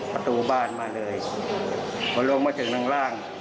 พอลงมาถึงล่าง